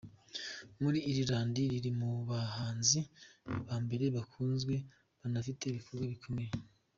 Muri Irland riri mu bahanzi ba mbere bakunzwe banafite ibikorwa bikomeye.